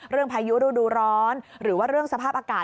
เรื่องพายุฤดูร้อนหรือว่าเรื่องสภาพอากาศ